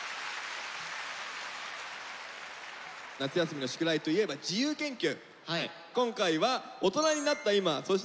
夏休みの宿題といえば自由研究。